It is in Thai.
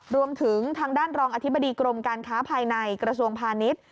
รวมถึงทางด้านรองอธิบดีกรมการค้าภายในกระทรวงพาณิชย์